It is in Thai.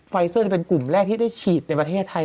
เซอร์จะเป็นกลุ่มแรกที่ได้ฉีดในประเทศไทย